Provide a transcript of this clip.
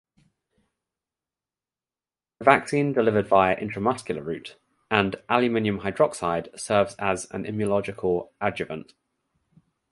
The vaccine delivered via intramuscular route and aluminum hydroxide serves as an immunological adjuvant.